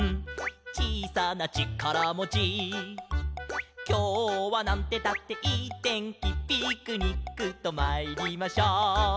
「ちいさなちからもち」「きょうはなんてったっていいてんき」「ピクニックとまいりましょう」